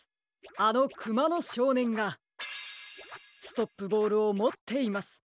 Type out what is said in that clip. あのクマの少年がストップボールをもっています。